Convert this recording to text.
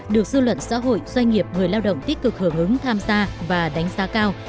được dư luận xã hội doanh nghiệp người lao động tích cực hưởng ứng tham gia và đánh giá cao